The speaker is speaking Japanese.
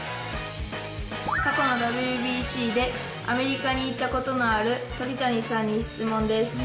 過去のＷＢＣでアメリカに行ったことのある鳥谷さんに質問です。